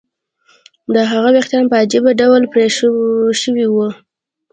د هغه ویښتان په عجیب ډول پرې شوي وو